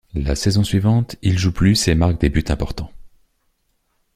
La saison suivante, il joue plus et marque des buts importants.